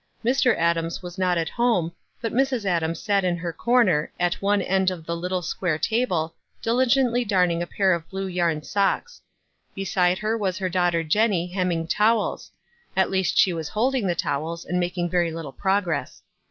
Mr. Adams was not at home, but Mrs. Adams sat in her corner, at one end of the little square table, diligently darning a pair of blue yarn socks. Beside her was her daughter Jenny, hemming towels ; at least she was holding the towels, and making very little progress.